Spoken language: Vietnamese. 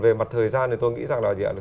về mặt thời gian thì tôi nghĩ rằng là